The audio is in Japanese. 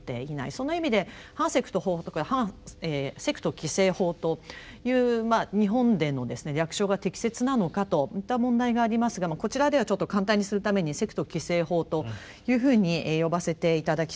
その意味で「反セクト法」とか「セクト規制法」というまあ日本でのですね略称が適切なのかといった問題がありますがこちらではちょっと簡単にするために「セクト規制法」というふうに呼ばせて頂きたいと思います。